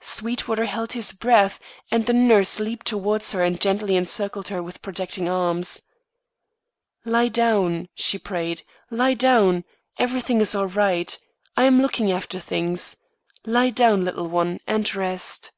Sweetwater held his breath, and the nurse leaped towards her and gently encircled her with protecting arms. "Lie down," she prayed; "lie down. Everything is all right: I am looking after things. Lie down, little one, and rest."